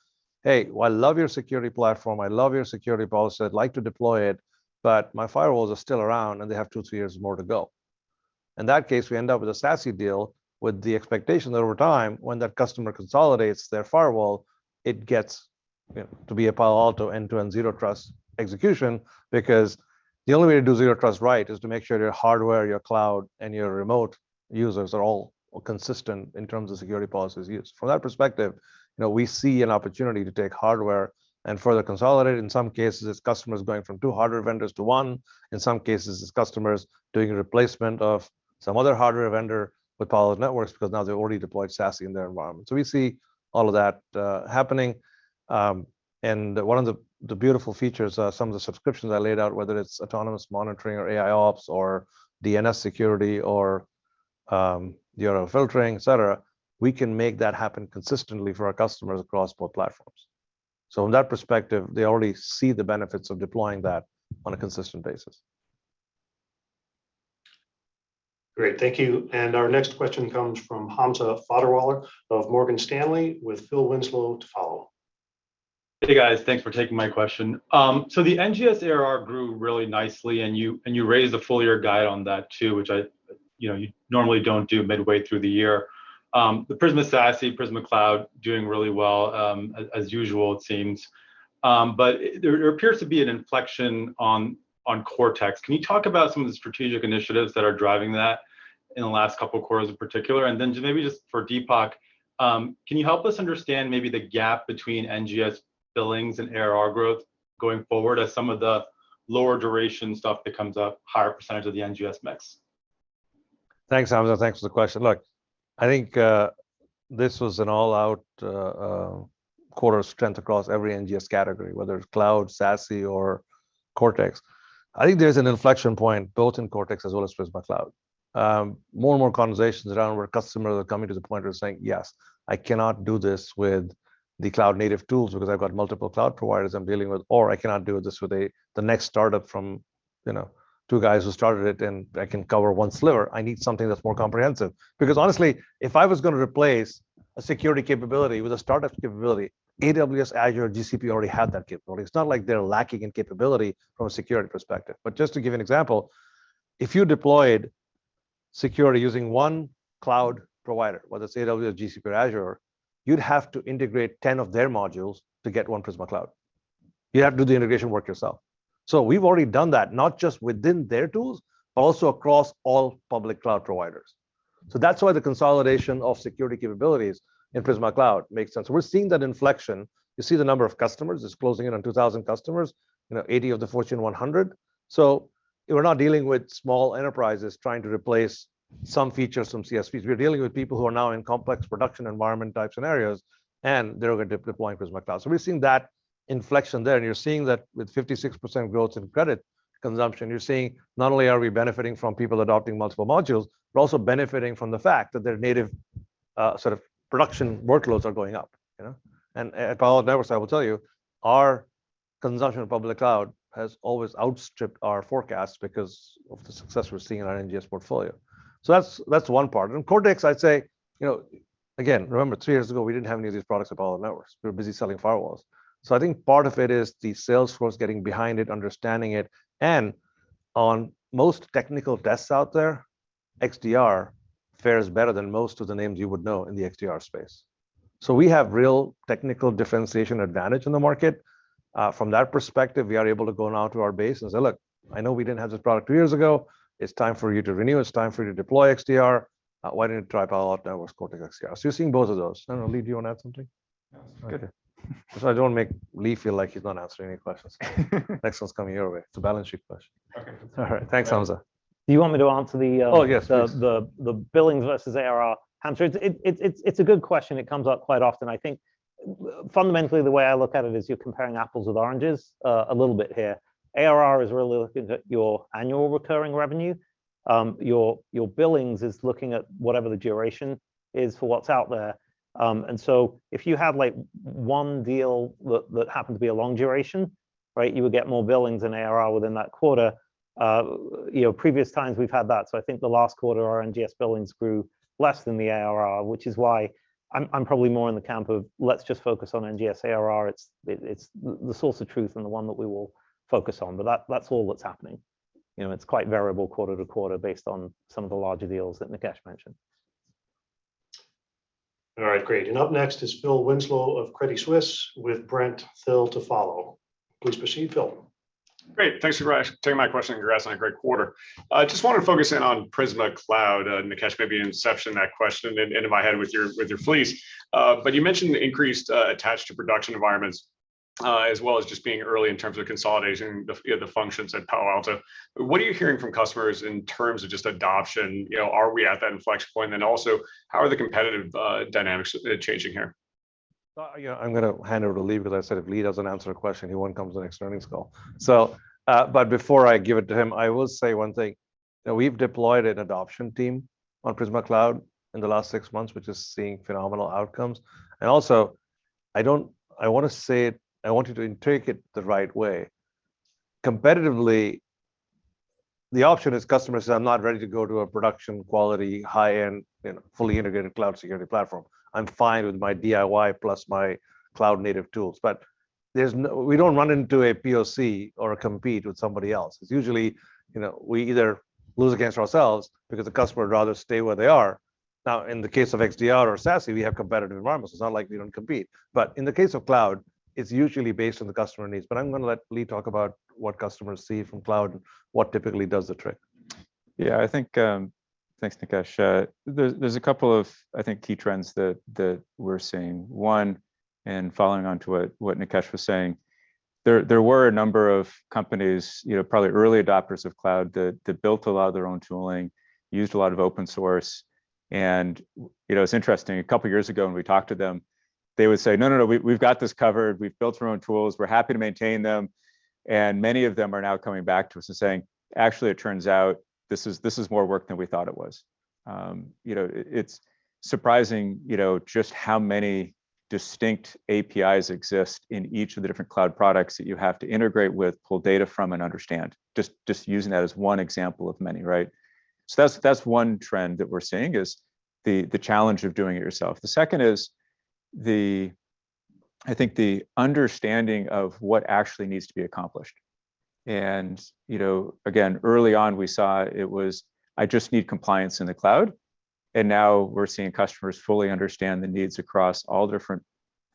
"Hey, I love your security platform. I love your security policy. I'd like to deploy it, but my firewalls are still around, and they have 2-3 years more to go." In that case, we end up with a SASE deal with the expectation that over time, when that customer consolidates their firewall, it gets, you know, to be a Palo Alto end-to-end Zero Trust execution. Because the only way to do Zero Trust right is to make sure your hardware, your cloud, and your remote users are all consistent in terms of security policies used. From that perspective, you know, we see an opportunity to take hardware and further consolidate. In some cases, it's customers going from two hardware vendors to one. In some cases, it's customers doing a replacement of some other hardware vendor with Palo Alto Networks because now they've already deployed SASE in their environment. We see all of that, happening. One of the beautiful features, some of the subscriptions I laid out, whether it's autonomous monitoring or AIOps or DNS Security or, you know, filtering, et cetera, we can make that happen consistently for our customers across both platforms. From that perspective, they already see the benefits of deploying that on a consistent basis. Great. Thank you. Our next question comes from Hamza Fodderwala of Morgan Stanley, with Phil Winslow to follow. Hey, guys. Thanks for taking my question. So the NGS ARR grew really nicely, and you raised the full year guide on that too, which, you know, you normally don't do midway through the year. The Prisma SASE, Prisma Cloud doing really well, as usual, it seems. But there appears to be an inflection on Cortex. Can you talk about some of the strategic initiatives that are driving that in the last couple of quarters in particular? Then maybe just for Dipak, can you help us understand maybe the gap between NGS billings and ARR growth going forward as some of the lower duration stuff becomes a higher percentage of the NGS mix? Thanks Hamza, thanks for the question. Look I think, this was an all out quarter strength across every NGS category, whether it's cloud, SASE, or Cortex. I think there's an inflection point both in Cortex as well as Prisma Cloud. More and more conversations around where customers are coming to the point of saying, "Yes, I cannot do this with the cloud native tools because I've got multiple cloud providers I'm dealing with," or, "I cannot do this with a, the next startup from you know two guys who started it and that can cover one sliver. I need something that's more comprehensive." Because honestly, if I was gonna replace a security capability with a startup capability, AWS, Azure, GCP already had that capability. It's not like they're lacking in capability from a security perspective. Just to give an example, if you deployed security using one cloud provider, whether it's AWS, GCP, or Azure, you'd have to integrate 10 of their modules to get one Prisma Cloud. You have to do the integration work yourself. We've already done that, not just within their tools, but also across all public cloud providers. That's why the consolidation of security capabilities in Prisma Cloud makes sense. We're seeing that inflection. You see the number of customers is closing in on 2,000 customers. You know, 80 of the Fortune 100. We're not dealing with small enterprises trying to replace some features, some CSPs. We're dealing with people who are now in complex production environment type scenarios, and they're going to deploy Prisma Cloud. We've seen that inflection there, and you're seeing that with 56% growth in credit consumption. You're seeing not only are we benefiting from people adopting multiple modules, we're also benefiting from the fact that their native, sort of production workloads are going up, you know? At Palo Alto Networks, I will tell you, our consumption of public cloud has always outstripped our forecast because of the success we're seeing in our NGS portfolio. That's one part. Cortex I'd say, you know, again, remember three years ago we didn't have any of these products at Palo Alto Networks. We were busy selling firewalls. I think part of it is the sales force getting behind it, understanding it, and on most technical desks out there, XDR fares better than most of the names you would know in the XDR space. We have real technical differentiation advantage in the market. From that perspective, we are able to go now to our base and say, "Look, I know we didn't have this product two years ago. It's time for you to renew. It's time for you to deploy XDR. Why don't you try Palo Alto Networks Cortex XDR?" You're seeing both of those. I don't know, Lee, do you want to add something? No, that's fine. Okay. I don't want to make Lee feel like he's not answering any questions. Next one's coming your way. It's a balance sheet question. Okay. All right. Thanks Hamza. Do you want me to answer the Oh, yes, please. The billings versus ARR answer? It's a good question. It comes up quite often. I think fundamentally the way I look at it is you're comparing apples with oranges a little bit here. ARR is really looking at your annual recurring revenue. Your billings is looking at whatever the duration is for what's out there. And so if you have, like, one deal that happened to be a long duration, right? You would get more billings and ARR within that quarter. You know, previous times we've had that. I think the last quarter our NGS billings grew less than the ARR, which is why I'm probably more in the camp of let's just focus on NGS ARR. It's the source of truth and the one that we will focus on. that's all that's happening. You know, it's quite variable quarter to quarter based on some of the larger deals that Nikesh mentioned. All right, great. Up next is Phil Winslow of Credit Suisse with Brent Thill to follow. Please proceed, Phil. Great. Thanks for taking my question, congrats on a great quarter. I just want to focus in on Prisma Cloud. Nikesh maybe inceptioned that question into my head with your brief. But you mentioned the increased attachment to production environments, as well as just being early in terms of consolidating the, you know, the functions at Palo Alto. What are you hearing from customers in terms of just adoption? You know, are we at that inflection point? And also, how are the competitive dynamics changing here? You know, I'm gonna hand over to Lee, because I said if Lee doesn't answer a question, he won't come to the next earnings call. Before I give it to him, I will say one thing, that we've deployed an adoption team on Prisma Cloud in the last six months, which is seeing phenomenal outcomes. Also, I want to say it, I want you to take it the right way. Competitively, the option is customers say, "I'm not ready to go to a production quality, high-end, and fully integrated cloud security platform. I'm fine with my DIY plus my cloud native tools." We don't run into a POC or compete with somebody else. It's usually, you know, we either lose against ourselves because the customer would rather stay where they are. Now, in the case of XDR or SASE, we have competitive environments. It's not like we don't compete. In the case of cloud, it's usually based on the customer needs. I'm gonna let Lee talk about what customers see from cloud, what typically does the trick. Yeah, I think, thanks, Nikesh. There's a couple of, I think, key trends that we're seeing. One, following on to what Nikesh was saying, there were a number of companies, you know, probably early adopters of cloud that built a lot of their own tooling, used a lot of open source. You know, it's interesting, a couple of years ago when we talked to them, they would say, "No, no. We've got this covered. We've built our own tools. We're happy to maintain them." Many of them are now coming back to us and saying, "Actually, it turns out this is more work than we thought it was." You know, it's surprising, you know, just how many distinct APIs exist in each of the different cloud products that you have to integrate with, pull data from and understand. Just using that as one example of many, right? That's one trend that we're seeing is the challenge of doing it yourself. The second is, I think, the understanding of what actually needs to be accomplished. You know, again, early on we saw it was, "I just need compliance in the cloud." Now we're seeing customers fully understand the needs across all different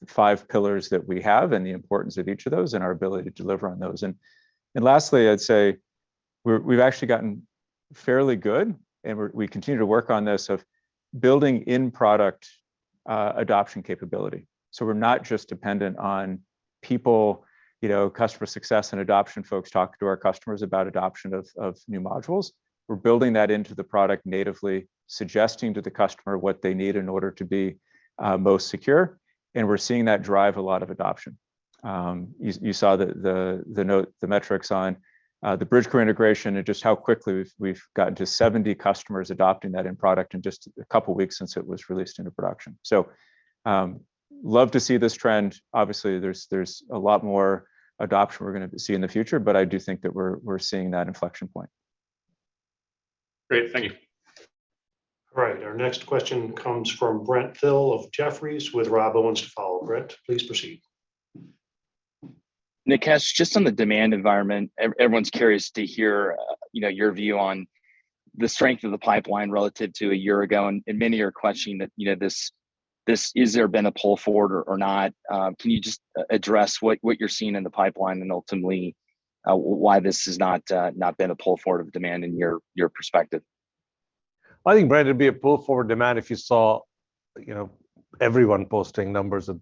five pillars that we have and the importance of each of those and our ability to deliver on those. Lastly, I'd say we've actually gotten fairly good, and we continue to work on this, of building in product. Adoption capability. We're not just dependent on people, you know, customer success and adoption folks talk to our customers about adoption of new modules. We're building that into the product natively, suggesting to the customer what they need in order to be most secure, and we're seeing that drive a lot of adoption. You saw the note, the metrics on the Bridgecrew integration and just how quickly we've gotten to 70 customers adopting that end product in just a couple of weeks since it was released into production. Love to see this trend. Obviously, there's a lot more adoption we're gonna see in the future, but I do think that we're seeing that inflection point. Great. Thank you. All right. Our next question comes from Brent Thill of Jefferies, with Rob Owens to follow. Brent, please proceed. Nikesh, just on the demand environment, everyone's curious to hear, you know, your view on the strength of the pipeline relative to a year ago, and many are questioning that, you know. Has there been a pull forward or not? Can you just address what you're seeing in the pipeline and ultimately, why this has not been a pull forward of demand in your perspective? I think, Brent, it'd be a pull forward demand if you saw, you know, everyone posting numbers at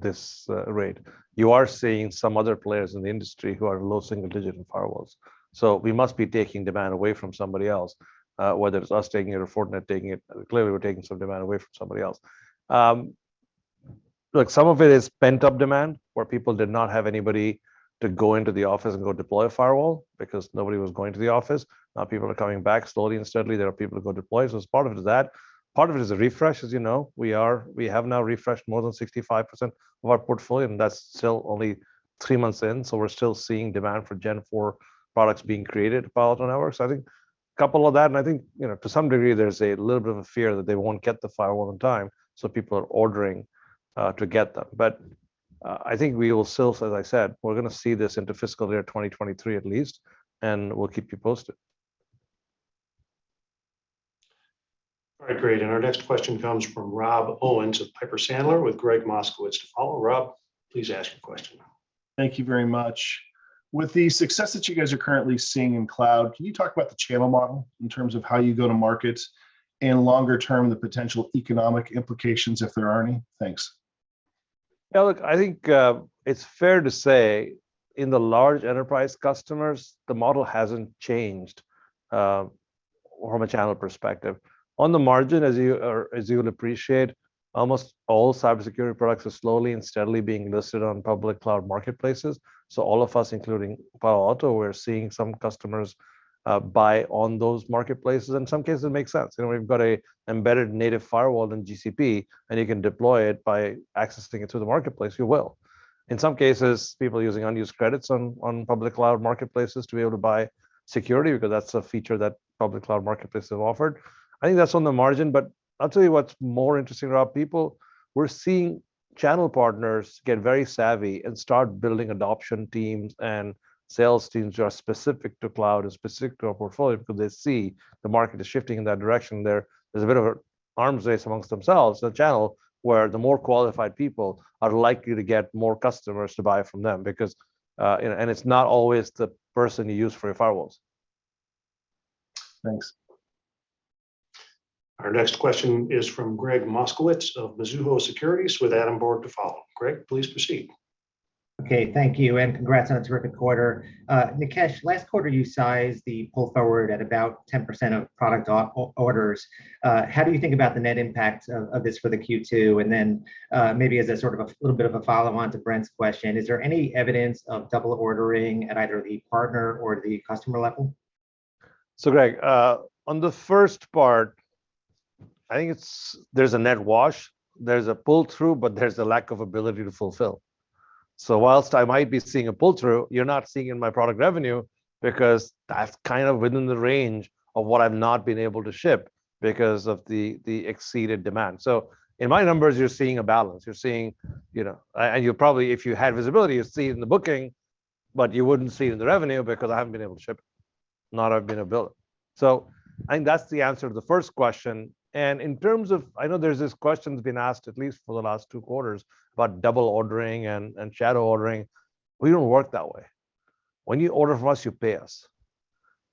this rate. You are seeing some other players in the industry who are low single digit in firewalls. We must be taking demand away from somebody else, whether it's us taking it or Fortinet taking it. Clearly we're taking some demand away from somebody else. Look, some of it is pent-up demand, where people did not have anybody to go into the office and go deploy a firewall because nobody was going to the office. Now people are coming back slowly and steadily. There are people to go deploy. It's part of that. Part of it is a refresh, as you know. We are... We have now refreshed more than 65% of our portfolio, and that's still only three months in, so we're still seeing demand for Gen4 products being created, Palo Alto Networks. I think coupled with that, and I think, you know, to some degree there's a little bit of a fear that they won't get the firewall on time, so people are ordering to get them. I think we will still, as I said, we're gonna see this into fiscal year 2023 at least, and we'll keep you posted. All right, great. Our next question comes from Rob Owens of Piper Sandler, with Gregg Moskowitz to follow. Rob, please ask your question. Thank you very much. With the success that you guys are currently seeing in cloud, can you talk about the channel model in terms of how you go to market, and longer term, the potential economic implications if there are any? Thanks. Yeah, look, I think it's fair to say in the large enterprise customers, the model hasn't changed from a channel perspective. On the margin, as you'll appreciate, almost all cybersecurity products are slowly and steadily being listed on public cloud marketplaces. All of us, including Palo Alto, we're seeing some customers buy on those marketplaces. In some cases it makes sense. You know, we've got an embedded native firewall in GCP, and you can deploy it by accessing it through the marketplace. In some cases, people are using unused credits on public cloud marketplaces to be able to buy security because that's a feature that public cloud marketplaces have offered. I think that's on the margin, but I'll tell you what's more interesting to our people. We're seeing channel partners get very savvy and start building adoption teams and sales teams which are specific to cloud and specific to our portfolio, because they see the market is shifting in that direction there. There's a bit of an arms race among themselves, the channel, where the more qualified people are likely to get more customers to buy from them because it's not always the person you use for your firewalls. Thanks. Our next question is from Gregg Moskowitz of Mizuho Securities, with Adam Borg to follow. Greg, please proceed. Okay. Thank you, and congrats on a terrific quarter. Nikesh, last quarter you sized the pull forward at about 10% of product orders. How do you think about the net impact of this for the Q2? Maybe as a sort of a little bit of a follow-on to Brent's question, is there any evidence of double ordering at either the partner or the customer level? Greg, on the first part, I think there's a net wash. There's a pull-through, but there's a lack of ability to fulfill. While I might be seeing a pull-through, you're not seeing it in my product revenue because that's kind of within the range of what I've not been able to ship because of the exceeded demand. In my numbers, you're seeing a balance. You're seeing you'll probably, if you had visibility, see it in the booking, but you wouldn't see it in the revenue because I haven't been able to ship it, nor I've been able to bill it. I think that's the answer to the first question. In terms of, I know there's this question that's been asked at least for the last two quarters about double ordering and shadow ordering. We don't work that way. When you order from us, you pay us,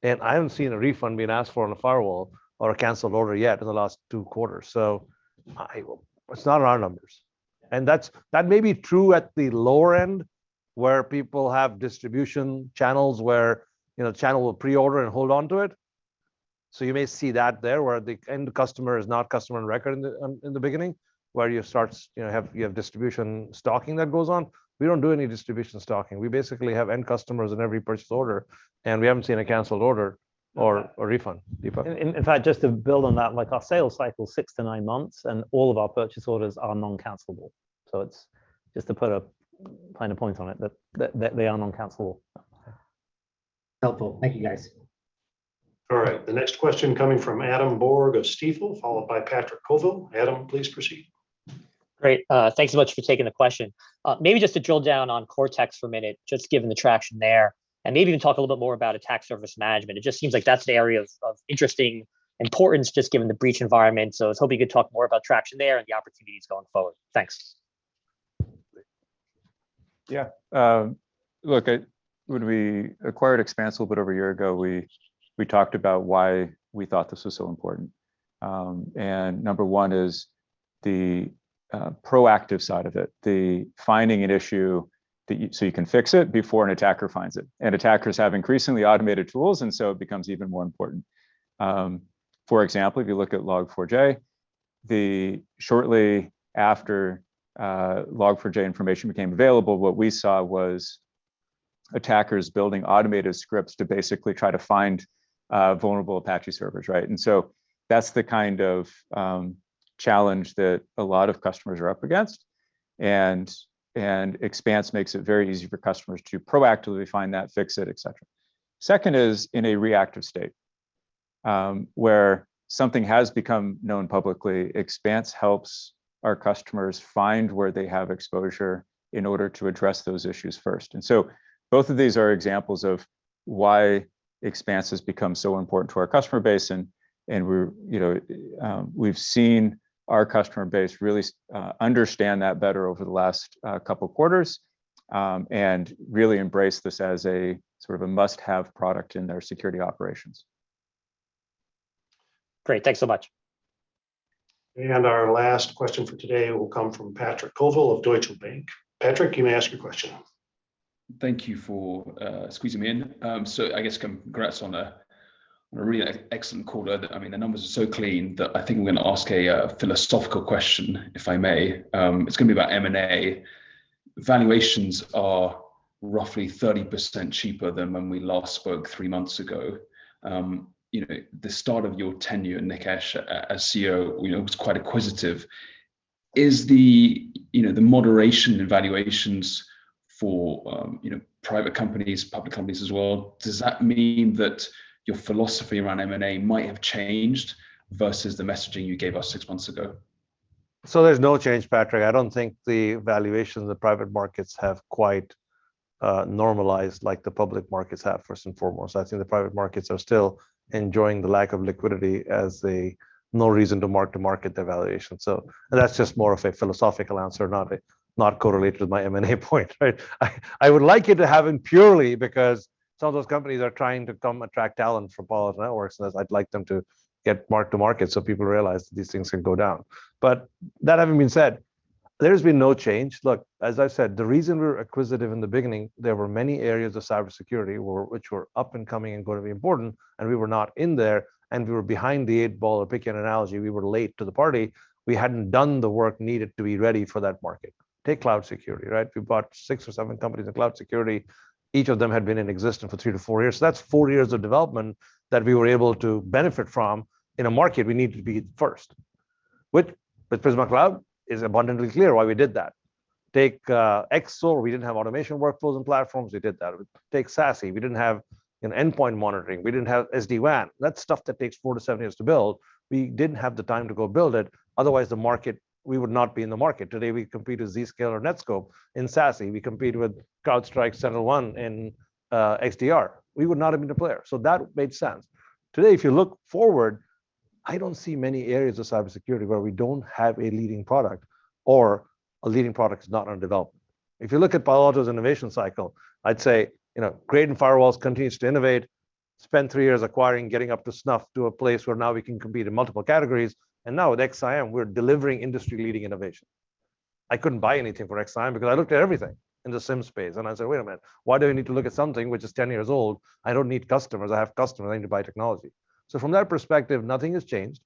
and I haven't seen a refund being asked for on a firewall or a canceled order yet in the last two quarters. It's not in our numbers. That's that may be true at the lower end, where people have distribution channels where, you know, channel will pre-order and hold onto it. You may see that there, where the end customer is not customer on record in the beginning, you know, you have distribution stocking that goes on. We don't do any distribution stocking. We basically have end customers in every purchase order, and we haven't seen a canceled order or a refund. Deepak. In fact, just to build on that, like our sales cycle is 6-9 months, and all of our purchase orders are non-cancelable. It's just to put a finer point on it, that they are non-cancelable. Helpful. Thank you, guys. All right. The next question coming from Adam Borg of Stifel, followed by Patrick Colville. Adam, please proceed. Great. Thanks so much for taking the question. Maybe just to drill down on Cortex for a minute, just given the traction there, and maybe even talk a little bit more about attack surface management. It just seems like that's the area of interesting importance, just given the breach environment. I was hoping you could talk more about traction there and the opportunities going forward. Thanks. Yeah. Look, when we acquired Expanse a little bit over a year ago, we talked about why we thought this was so important. Number one is the proactive side of it, the finding an issue so you can fix it before an attacker finds it. Attackers have increasingly automated tools, it becomes even more important. For example, if you look at Log4j, shortly after Log4j information became available, what we saw was attackers building automated scripts to basically try to find vulnerable Apache servers, right? That's the kind of challenge that a lot of customers are up against. Expanse makes it very easy for customers to proactively find that, fix it, et cetera. Second is in a reactive state, where something has become known publicly, Expanse helps our customers find where they have exposure in order to address those issues first. Both of these are examples of why Expanse has become so important to our customer base. We're, you know, we've seen our customer base really understand that better over the last couple of quarters, and really embrace this as a sort of a must-have product in their security operations. Great. Thanks so much. Our last question for today will come from Patrick Colville of Deutsche Bank. Patrick, you may ask your question. Thank you for squeezing me in. So I guess congrats on a really excellent quarter. I mean, the numbers are so clean that I think I'm gonna ask a philosophical question, if I may. It's gonna be about M&A. Valuations are roughly 30% cheaper than when we last spoke three months ago. You know, the start of your tenure, Nikesh, as CEO, you know, was quite acquisitive. You know, the moderation in valuations for you know, private companies, public companies as well, does that mean that your philosophy around M&A might have changed versus the messaging you gave us six months ago? There's no change, Patrick. I don't think the valuations of the private markets have quite normalized like the public markets have, first and foremost. I think the private markets are still enjoying the lack of liquidity as there's no reason to mark to market the valuation. That's just more of a philosophical answer, not correlated with my M&A point, right? I would like it to happen purely because some of those companies are trying to attract talent from Palo Alto Networks, and I'd like them to get mark to market so people realize these things can go down. That having been said, there's been no change. Look, as I said, the reason we were acquisitive in the beginning, there were many areas of cybersecurity which were up and coming and going to be important, and we were not in there, and we were behind the eight ball, a picking analogy, we were late to the party. We hadn't done the work needed to be ready for that market. Take cloud security, right? We bought six or seven companies in cloud security. Each of them had been in existence for 3-4 years. So that's four years of development that we were able to benefit from in a market we need to be first. With Prisma Cloud, is abundantly clear why we did that. Take XSOAR, we didn't have automation workflows and platforms. We did that. Take SASE, we didn't have an endpoint monitoring. We didn't have SD-WAN. That's stuff that takes 4-7 years to build. We didn't have the time to go build it. Otherwise, the market, we would not be in the market. Today, we compete with Zscaler, Netskope. In SASE, we compete with CrowdStrike, SentinelOne in XDR. We would not have been a player. So that made sense. Today, if you look forward, I don't see many areas of cybersecurity where we don't have a leading product or a leading product is not under development. If you look at Palo Alto's innovation cycle, I'd say, you know, Gen 3 in firewalls continues to innovate, spend three years acquiring, getting up to snuff to a place where now we can compete in multiple categories. Now with XSIAM, we're delivering industry-leading innovation. I couldn't buy anything for XSIAM because I looked at everything in the SIEM space and I said, "Wait a minute. Why do we need to look at something which is 10 years old? I don't need customers. I have customers. I need to buy technology." From that perspective, nothing has changed.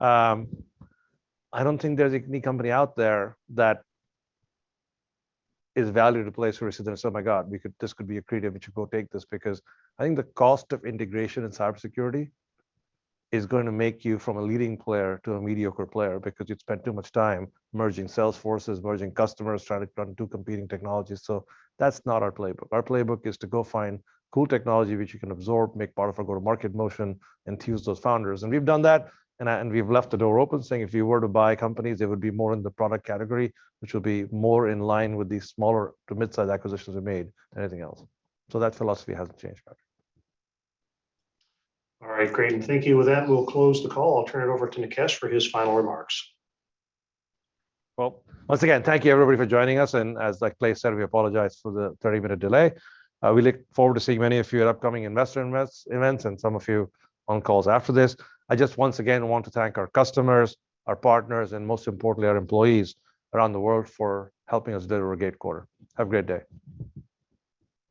I don't think there's any company out there that is valued a place where we sit there and say, "My God, this could be accretive. We should go take this." Because I think the cost of integration in cybersecurity is gonna make you from a leading player to a mediocre player because you'd spent too much time merging sales forces, merging customers, trying to run two competing technologies. That's not our playbook. Our playbook is to go find cool technology which you can absorb, make part of a go-to-market motion, and to use those founders. We've done that, and we've left the door open saying if we were to buy companies, they would be more in the product category, which will be more in line with the smaller to mid-size acquisitions we've made than anything else. So that philosophy hasn't changed, Patrick. All right, great. Thank you. With that, we'll close the call. I'll turn it over to Nikesh for his final remarks. Well, once again, thank you everybody for joining us. As like Clay said, we apologize for the 30-minute delay. We look forward to seeing many of you at upcoming investor events and some of you on calls after this. I just once again want to thank our customers, our partners, and most importantly, our employees around the world for helping us deliver a great quarter. Have a great day.